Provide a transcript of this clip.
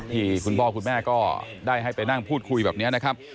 ที่คุณพ่อคุณแม่ก็ได้ให้ไปนั่งพูดคุยแบบนี้นะครับ